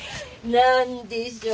何でしょう？